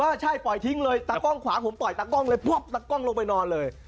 ใช่ปล่อยทิ้งเลยตากล้องขวาผมปล่อยตากล้องเลยพวบตะกล้องลงไปนอนเลย